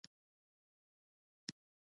آیا دوی سیمې ته سمنټ نه صادروي؟